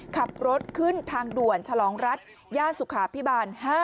ขับรถขึ้นทางด่วนฉลองรัฐย่านสุขาพิบาล๕